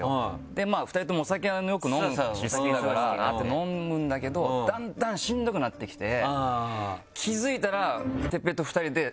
まぁ２人ともお酒はよく飲むし好きだから飲むんだけどだんだんしんどくなってきて気付いたら。